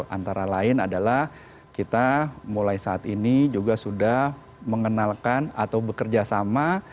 antara lain adalah kita mulai saat ini juga sudah mengenalkan atau bekerja sama